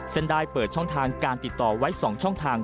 ซึ่งได้เปิดช่องทางการติดต่อไว้๒ช่องทาง